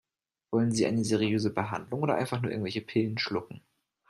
Wollen Sie eine seriöse Behandlung oder einfach nur irgendwelche Pillen schlucken?